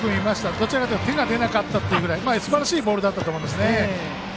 どちらかというと手が出なかったというぐらいすばらしいボールでした。